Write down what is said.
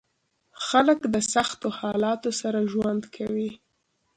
خلک د سختو حالاتو سره ژوند کوي.